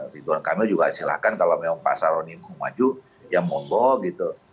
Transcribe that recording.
ridwan kamil juga silakan kalau memang pak saroni mau maju ya mohon bohong gitu